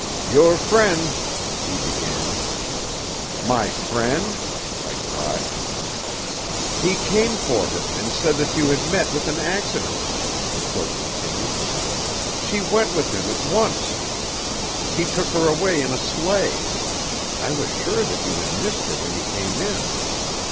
"Your friend " he began. "My friend?" I cried. "He came for her and said that you had met with an accident," the clerk continued. "She went with him at once. He took her away in a sleigh. I was sure that you had missed her when you came in."